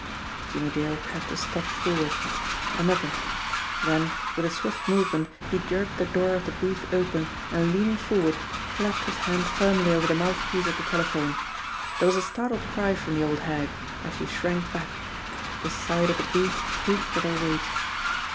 Jimmie Dale crept a step forward, another then with a swift movement he jerked the door of the booth open, and leaning forward clapped his hand firmly over the mouthpiece of the telephone. There was a startled cry from the old hag, as she shrank back. The side of the booth creaked with her weight.